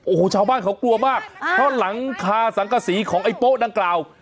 โอ้โหชาวบ้านเขากลัวมากเพราะหลังคาสังกษีของไอ้โป๊ะดังกล่าว